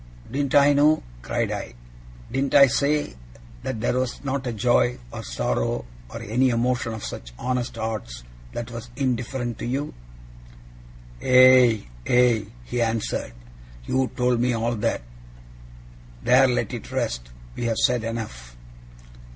'Didn't I know?' cried I, 'didn't I say that there was not a joy, or sorrow, or any emotion of such honest hearts that was indifferent to you?' 'Aye, aye,' he answered, 'you told me all that. There let it rest. We have said enough!